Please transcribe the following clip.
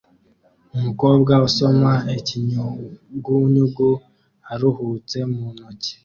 Umukobwa usoma ikinyugunyugu aruhutse mu ntoki